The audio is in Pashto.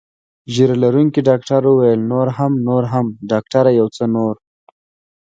ږیره لرونکي ډاکټر وویل: نور هم، نور هم، ډاکټره یو څه نور.